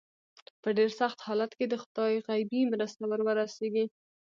په ډېر سخت حالت کې د خدای غیبي مرسته ور ورسېږي.